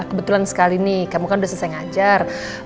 kebetulan sekali nih kamu kan sudah selesai ngajar